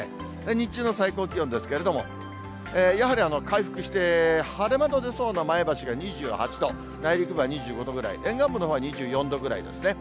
日中の最高気温ですけれども、やはり回復して晴れ間の出そうな前橋が２８度、内陸部は２５度ぐらい、沿岸部のほうは２４度ぐらいですね。